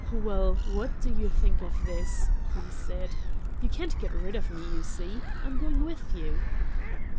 "Well, what do you think of this?" he said. "You can't get rid of me, you see. I'm going with you."